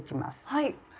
はい！